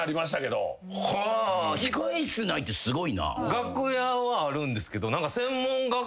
楽屋はあるんですけど。